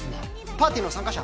パーティーの参加者？